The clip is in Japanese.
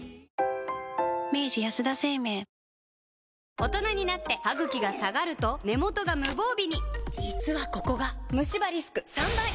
大人になってハグキが下がると根元が無防備に実はここがムシ歯リスク３倍！